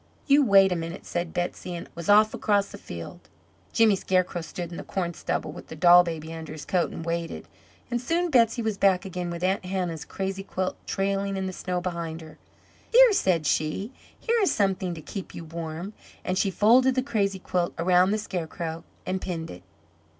"You wait a minute," said Betsey, and was off across the field. Jimmy Scarecrow stood in the corn stubble, with the doll baby under his coat and waited, and soon Betsey was back again with Aunt Hannah's crazy quilt trailing in the snow behind her. "Here," said she, "here is something to keep you warm," and she folded the crazy quilt around the Scarecrow and pinned it.